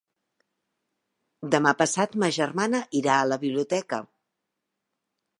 Demà passat ma germana irà a la biblioteca.